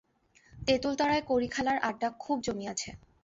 তেঁতুলতলায় কড়ি খেলার আডডা খুব জমিয়াছে।